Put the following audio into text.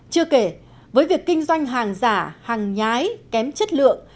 chưa kể với việc kinh doanh hàng giả hàng nhái kém chất lượng